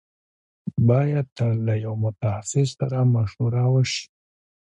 بايد تل له يوه متخصص سره مشوره وشي.